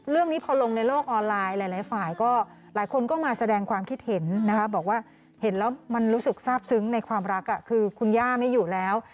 เรื่องนี้พอลงในโลกออนไลน์หลายฝ่ายก็หลายคนก็มาแสดงความคิดเห็นนะคะบอกว่าเห็นแล้วมันรู้สึกทราบซึ้งในความรักคือคุณย่าไม่อยู่แล้ว